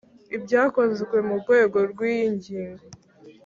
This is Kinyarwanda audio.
ibyakozwe mu rwego rw’iyi ngingo